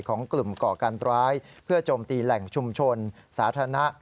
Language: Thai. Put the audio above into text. ของกลุ่มก่อการร้ายเพื่อโจมตีแหล่งชุมชนสาธารณะ